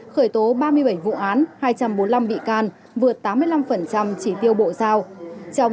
khởi tố ba mươi bảy vụ án hai trăm bốn mươi năm bị can vượt tám mươi năm chỉ tiêu bộ giao